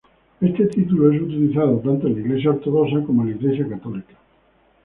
Este título es utilizado tanto en la Iglesia ortodoxa como en la Iglesia católica.